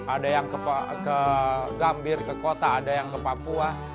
ada yang ke gambir ke kota ada yang ke papua